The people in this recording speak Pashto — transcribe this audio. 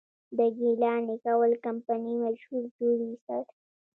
د ګيلاني کول کمپني مشهور جوړي سر،